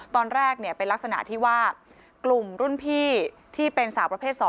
ตอนแรกเป็นลักษณะที่ว่ากลุ่มรุ่นพี่ที่เป็นสาวประเภท๒